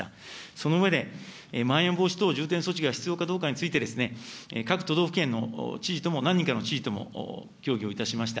その上で、まん延防止等重点措置が必要かどうかについて、各都道府県の知事とも、何人かの知事とも協議をいたしました。